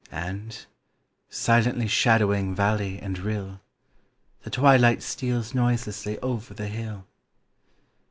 And, silently shadowing valley and rill, The twilight steals noiselessly over the hill.